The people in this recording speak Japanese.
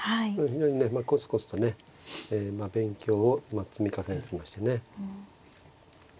非常にねこつこつとね勉強を積み重ねてきましたね。